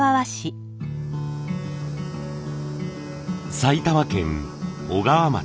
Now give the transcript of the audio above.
埼玉県小川町。